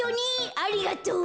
ありがとう。